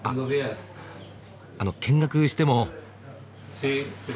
あの見学しても？